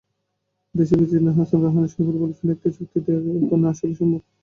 দেশটির president Hassan Rouhani শনিবার বলেছেন, একটি চুক্তি এখন আসলেই সম্ভব।